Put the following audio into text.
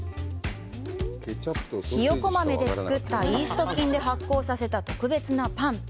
ヒヨコ豆で作ったイースト菌で発酵させた特別なパン。